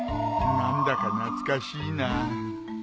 何だか懐かしいな。